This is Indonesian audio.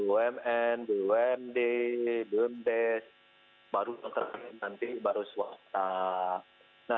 umn umd dundes baru mengerjakan nanti baru swasta